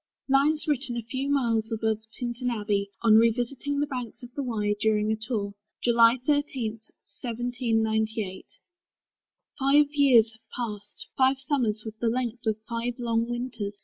LINES WRITTEN A FEW MILES ABOVE TINTERN ABBEY, ON REVISITING THE BANKS OF THE WYE DURING A TOUR, July 13, 1798. Five years have passed; five summers, with the length Of five long winters!